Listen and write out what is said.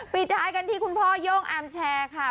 ปิดท้ายกันที่คุณพ่อโย่งอาร์มแชร์ค่ะ